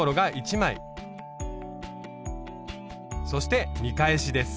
そして見返しです。